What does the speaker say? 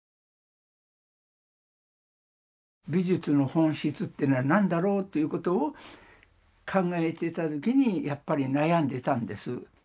美術の本質っていうのは何だろうということを考えてた時にやっぱり悩んでたんです。